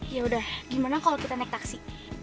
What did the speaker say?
yaudah gimana kalo kita naik taksi